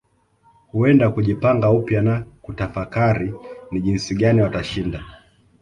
Huenda kujipanga upya na kutafakari ni jinsi gani watashinda